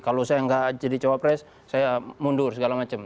kalau saya nggak jadi cawapres saya mundur segala macam